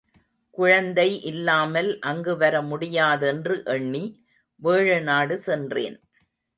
குழந்தை இல்லாமல் அங்கு வர முடியாதென்று எண்ணி, வேழநாடு சென்றேன்.